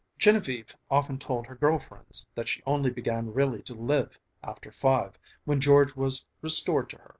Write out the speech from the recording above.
Genevieve often told her girl friends that she only began really to live after five, when George was restored to her.